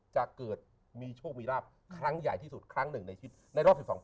จะเกิดมีโชคมีราบครั้งใหญ่ที่สุดครั้งหนึ่งในชีวิตในรอบ๑๒ปี